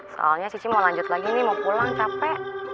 soalnya cici mau lanjut lagi nih mau pulang capek